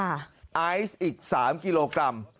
ไอซ์อีก๓กิโลกรัม